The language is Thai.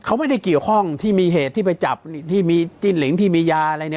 เขาไม่ได้เกี่ยวข้องที่มีเหตุที่ไปจับที่มีจิ้นหลิงที่มียาอะไรเนี่ย